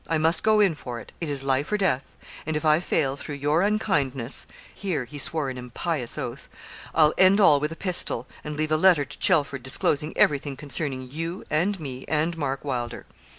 I must go in for it, it is life or death; and if I fail through your unkindness (here he swore an impious oath) I'll end all with a pistol, and leave a letter to Chelford, disclosing everything concerning you, and me, and Mark Wylder.'